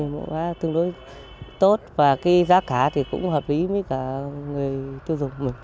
quả tương đối tốt và cái giá cả thì cũng hợp lý với cả người tiêu dùng